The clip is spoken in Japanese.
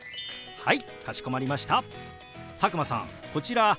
はい。